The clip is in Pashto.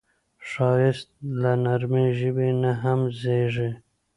ښایست له نرمې ژبې نه هم زېږي